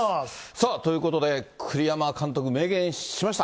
さあ、ということで栗山監督、明言しました。